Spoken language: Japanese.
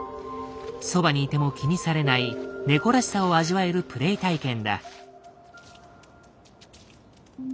そばにいても気にされない猫らしさを味わえるプレイ体験だ。